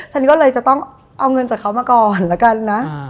ฉันก็เลยจะต้องเอาเงินจากเขามาก่อนแล้วกันนะ